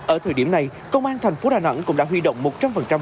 ở thời điểm này công an thành phố đà nẵng cũng đã huy động một trăm linh vận chuyển